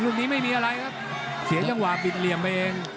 ลูกนี้ไม่มีอะไรครับเสียจังหวะบิดเหลี่ยมเอง